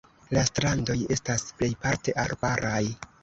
La strandoj estas plejparte arbaraj.